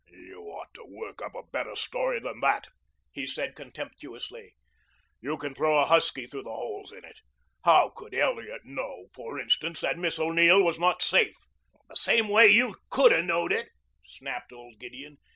"You ought to work up a better story than that," he said contemptuously. "You can throw a husky through the holes in it. How could Elliot know, for instance, that Miss O'Neill was not safe?" "The same way you could' a' known it," snapped old Gideon.